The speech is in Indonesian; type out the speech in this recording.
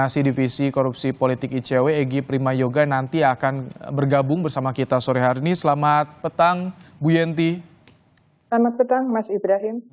selamat petang mas ibrahim